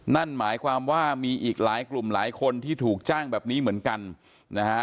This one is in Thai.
นั่นหมายความว่ามีอีกหลายกลุ่มหลายคนที่ถูกจ้างแบบนี้เหมือนกันนะฮะ